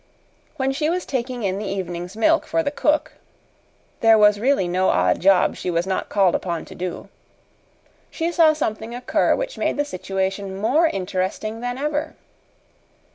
When she was taking in the evening's milk for the cook (there was really no odd job she was not called upon to do), she saw something occur which made the situation more interesting than ever.